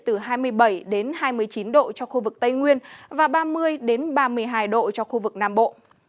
từ hai mươi bảy đến hai mươi chín độ cho khu vực tây nguyên và ba mươi ba mươi hai độ cho khu vực nam bộ